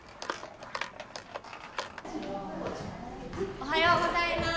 おはようございまーす。